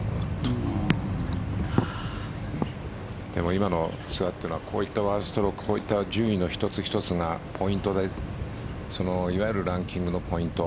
今のツアーというのはこういった１ストロークこういった順位の１つ１つがいわゆるランキングのポイント